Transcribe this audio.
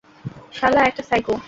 সালা একটা সাইকো।